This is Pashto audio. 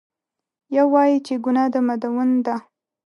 یو وایي چې ګناه د مدون ده.